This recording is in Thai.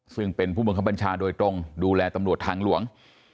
ซึ่งเป็นผู้บังคับบัญชาโดยตรงดูแลตำรวจทางหลวง